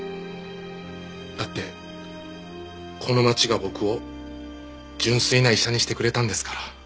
だってこの町が僕を純粋な医者にしてくれたんですから。